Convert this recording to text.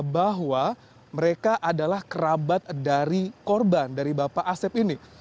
bahwa mereka adalah kerabat dari korban dari bapak asep ini